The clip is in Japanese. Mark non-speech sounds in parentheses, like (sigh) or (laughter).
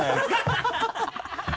ハハハ (laughs)